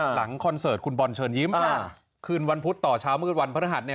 คอนเสิร์ตคุณบอลเชิญยิ้มค่ะคืนวันพุธต่อเช้ามืดวันพฤหัสเนี่ย